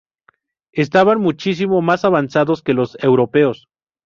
Estaban muchísimo más avanzados que los europeos.